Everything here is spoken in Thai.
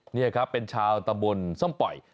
นี่ครับเป็นชาวตำบลส้มปล่อย